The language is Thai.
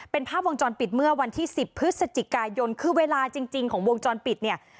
เป็นภาพวงจรปิดเมื่อวันที่๑๐พฤศจิกายนคือเวลาจริงของวงจรปิดเนี่ย